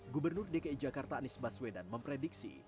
gubernur dki jakarta anies baswedan memprediksi